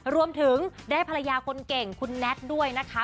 รวมถึงได้ภรรยาคนเก่งคุณแน็กด้วยนะคะ